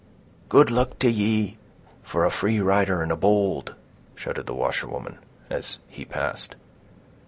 "Good luck to ye, for a free rider and a bold!" shouted the washerwoman, as he passed.